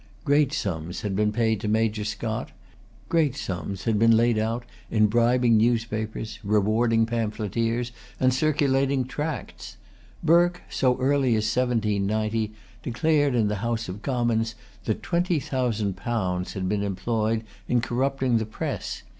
Great sums had been paid to Major Scott. Great sums had been laid out in bribing newspapers, rewarding pamphleteers, and circulating tracts. Burke, so early as 1790, declared in the House of Commons that twenty thousand pounds had been[Pg 236] employed in corrupting the press.